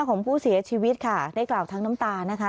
ของผู้เสียชีวิตค่ะได้กล่าวทั้งน้ำตานะคะ